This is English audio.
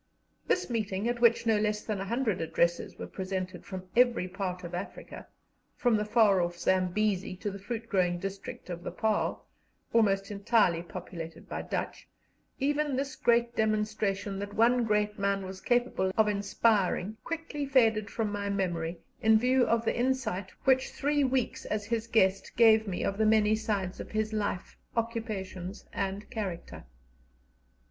This meeting, at which no less than a hundred addresses were presented from every part of Africa from the far off Zambesi to the fruit growing district of the Paarl, almost entirely populated by Dutch even this great demonstration that one great man was capable of inspiring quickly faded from my memory in view of the insight which three weeks as his guest gave me of the many sides of his life, occupations, and character.